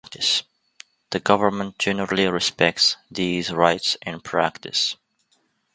The government generally respects these rights in practice.